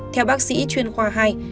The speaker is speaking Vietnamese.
theo bác sĩ chuyên khoa hai